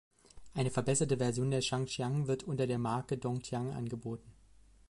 Eine verbesserte Version der Chang Jiang wird unter der Marke "Dong Tian" angeboten.